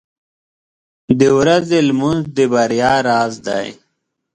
• د ورځې لمونځ د بریا راز دی.